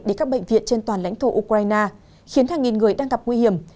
đến các bệnh viện trên toàn lãnh thổ ukraine khiến hàng nghìn người đang gặp nguy hiểm